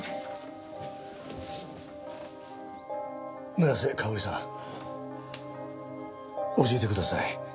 村瀬香織さん教えてください。